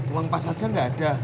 uang pas aja enggak ada